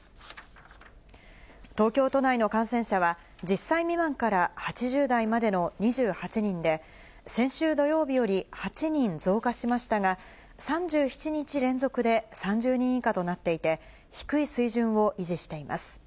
東京都内の感染者は、１０歳未満から８０代までの２８人で、先週土曜日より８人増加しましたが、３７日連続で３０人以下となっていて、低い水準を維持しています。